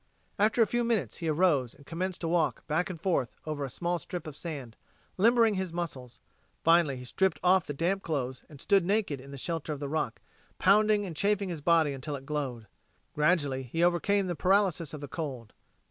After a few minutes he arose and commenced to walk back and forth over a small strip of sand, limbering his muscles. Finally he stripped off the damp clothes and stood naked in the shelter of the rock, pounding and chafing his body until it glowed. Gradually he overcame the paralysis of the cold.